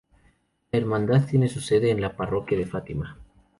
La hermandad tiene su sede en la Parroquia de Fátima